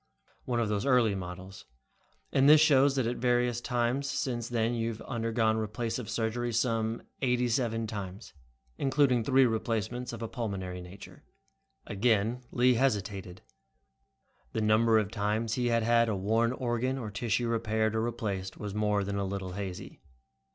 "One of those early models. And this shows that at various times since then you have undergone replacive surgery some eighty seven times, including three replacements of a pulmonary nature." Again Lee hesitated. The number of times he had had a worn organ or tissue repaired or replaced was more than a little hazy.